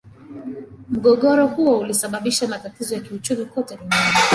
Mgogoro huo ulisababisha matatizo ya kiuchumi kote duniani.